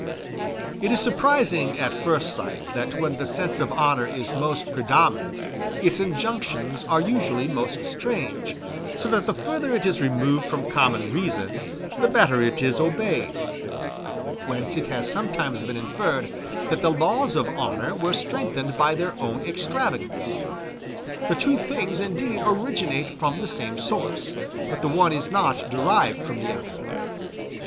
It is surprising, at first sight, that when the sense of honor is most predominant, its injunctions are usually most strange; so that the further it is removed from common reason the better it is obeyed; whence it has sometimes been inferred that the laws of honor were strengthened by their own extravagance. The two things indeed originate from the same source, but the one is not derived from the other.